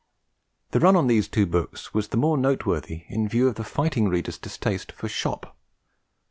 The run on these two books was the more noteworthy in view of the fighting reader's distaste for 'shop.'